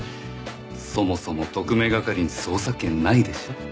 そもそも特命係に捜査権ないでしょ？